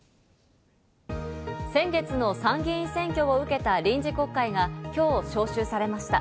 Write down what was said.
先月の参議院選挙を受けた臨時国会が今日、召集されました。